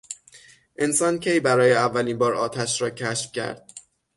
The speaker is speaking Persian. انسان کی برای اولین بار آتش را کشف کرد؟